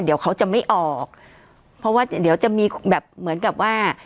เดี๋ยวเขาจะไม่ออกเพราะว่าเดี๋ยวจะมีแบบเหมือนกับว่า